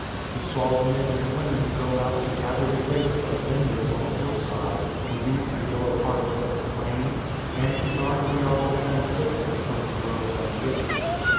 He saw the men and women go out to gather the grapes from the vineyards on the hillside, to reap the yellow harvest of the plain, and to garner the olives and citrons from the groves of the Isthmus.